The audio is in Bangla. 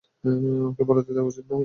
ওকে পালাতে দেওয়া উচিত হবে না।